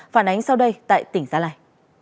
phản ánh sau đây tại tỉnh gia lai